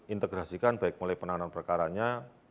integrasikan baik mulai penanganan perkaranya